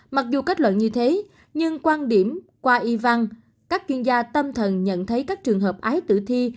mặc dù kết luận như thế nhưng quan điểm qua y văn các chuyên gia tâm thần nhận thấy các trường hợp ái tử thi